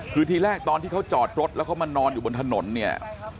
คือทีแรกตอนที่เขาจอดรถแล้วเขามานอนอยู่บนถนนเนี่ย